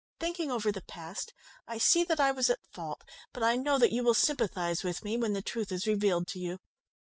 _ "_Thinking over the past, I see that I was at fault, but I know that you will sympathise with me when the truth is revealed to you.